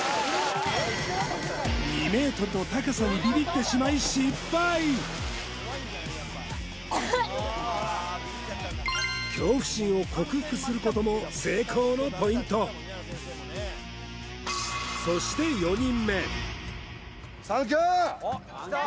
２ｍの高さにビビってしまい恐怖心を克服することも成功のポイントそしてサンキュー！